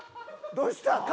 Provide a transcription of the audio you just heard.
どうした？